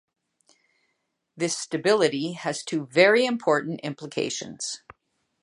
This stability has two very important implications.